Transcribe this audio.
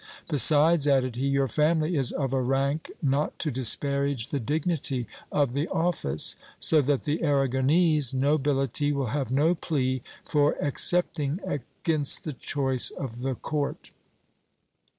Besides, added he, your family is of a rank not to disparage the dignity of the office ; so that the Arragonese no bility will have no plea for excepting against the choice of the court.